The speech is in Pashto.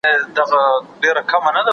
د قبر عذاب حق او د ايمان برخه ده